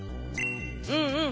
うんうん。